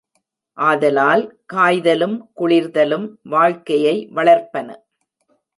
ஆதலால், காய்தலும் குளிர்தலும் வாழ்க்கையை வளர்ப்பன.